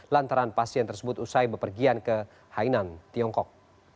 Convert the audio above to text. lantaran pasien tersebut usai bepergian ke hainan tiongkok